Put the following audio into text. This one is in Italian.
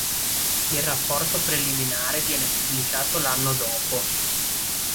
Il rapporto preliminare viene pubblicato l'anno dopo.